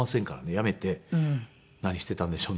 辞めて何していたんでしょうね。